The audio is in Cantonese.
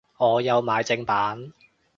我有買正版